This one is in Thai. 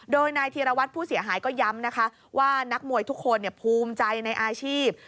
โดยนายธีรวัตรผู้เสียหายก็ย้ำนะคะว่านักมวยทุกคนภูมิใจในอาชีพ